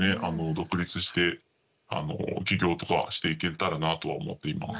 独立して起業とかしていけたらなぁとは思っています。